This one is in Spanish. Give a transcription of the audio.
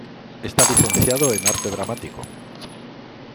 Está licenciado en arte dramático.